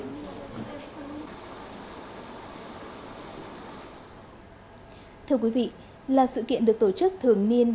các lực lượng chức năng tiến hành tiêu hủy là sự kiện được tổ chức thường niên